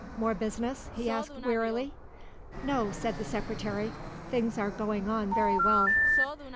"More business?" he asked wearily. "No," said the Secretary; "things are going on very well."